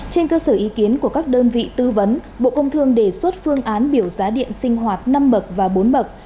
trên cơ sở ý kiến của các đơn vị tư vấn bộ công thương đề xuất phương án biểu giá điện sinh hoạt năm bậc và bốn bậc